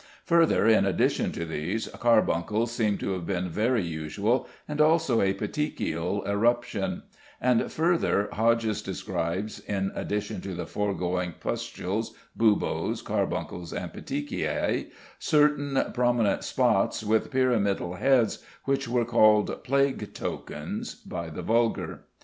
Further, in addition to these, carbuncles seem to have been very usual, and also a petechial eruption; and, further, Hodges describes (in addition to the foregoing pustules, buboes, carbuncles, and petechiæ) certain prominent spots with pyramidal heads, which were called "plague tokens" by the vulgar.